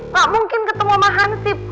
pak mungkin ketemu sama hansip